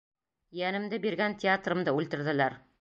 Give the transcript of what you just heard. Йәнемде биргән театрымды үлтерҙеләр!